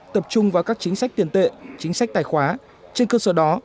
tập trung vào các chính sách tiền tệ chính sách tài khoá trên cơ sở đó